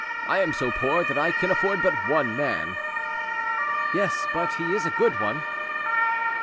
"I am so poor, than I can afford but one man." "Yes; but he is a good one."